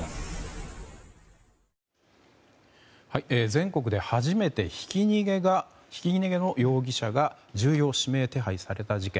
全国で初めてひき逃げの容疑者が重要指名手配された事件。